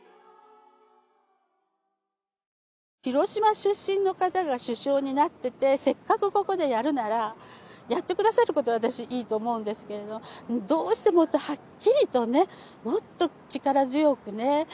広島出身の方が首相になっていてせっかくここでやるならやってくださることは私いいと思うんですけれどどうしてもっとはっきりとねもっと力強くね